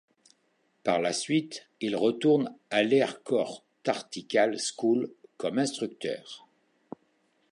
Par la suite, il retourne à l'Air Corps Tactical School comme instructeur.